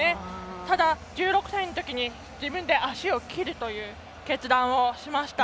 ただ、１６歳のときに自分で足を切るという決断をしました。